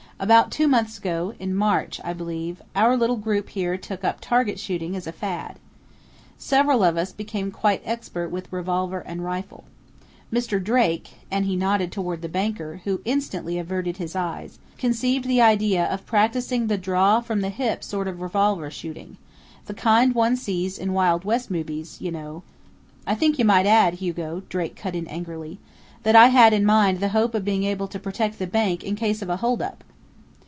About two months ago in March, I believe our little group here took up target shooting as a fad. Several of us became quite expert with revolver and rifle. Mr. Drake " and he nodded toward the banker, who instantly averted his eyes, " conceived the idea of practising the draw from the hip sort of revolver shooting the kind one sees in Wild West movies, you know " "I think you might add, Hugo," Drake cut in angrily, "that I had in mind the hope of being able to protect the bank in case of a holdup!"